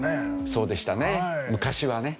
そうでしたね昔はね。